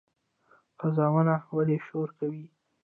قازونه ولې شور کوي؟